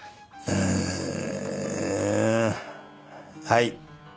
はい。